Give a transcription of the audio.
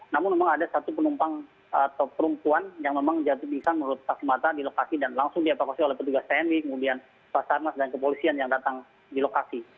namun memang ada satu penumpang atau perempuan yang memang jatuh di isang menurut taksimata di lokasi dan langsung di evakuasi oleh petugas tni kemudian pasarnas dan kepolisian yang datang di lokasi